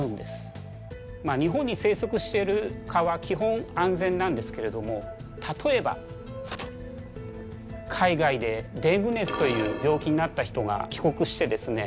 日本に生息している蚊は基本安全なんですけれども例えば海外でデング熱という病気になった人が帰国してですね